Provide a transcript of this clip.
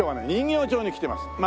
人形町に来てます。